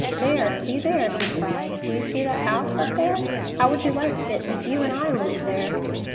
"There! See there!" he cried. "Do you see that house up there? How would you like it if you and I lived there?"